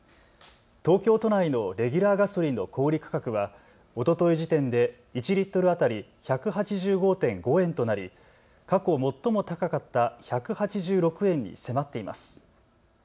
東京都内のレギュラーガソリンの小売価格はおととい時点で１リットル当たり１８５．５円となり過去最も高かった１８６円に迫っています。